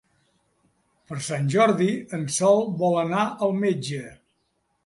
Per Sant Jordi en Sol vol anar al metge.